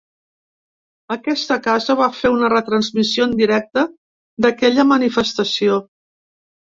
Aquesta casa va fer una retransmissió en directe d’aquella manifestació.